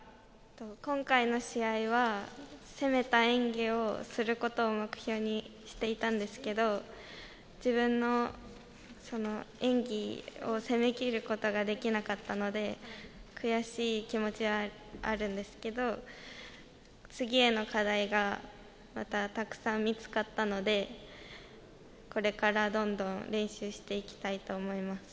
今回の試合は攻めた演技をすることを目標にしていたんですけど、自分の演技を攻め切ることができなかったので、悔しい気持ちはあるんですけれど、次への課題がたくさん見つかったので、これからどんどん練習していきたいと思います。